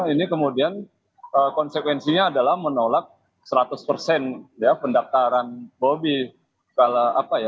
ini kemudian konsekuensinya adalah menolak seratus persen ya pendaftaran bobby